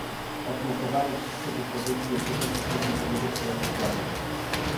Odnotowałem wszystkie wypowiedzi dotyczące przedmiotowego sprawozdania